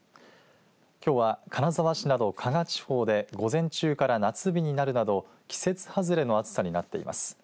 きょうは金沢市など加賀地方で午前中から夏日になるなど季節外れの暑さになっています。